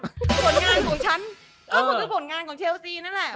ผลงานของฉันมันก็ผลงานของเชลซีนั่นแหละ